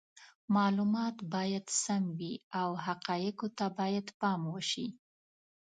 معلومات باید سم وي او حقایقو ته باید پام وشي.